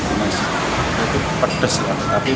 tapi memang pedasnya enak sekali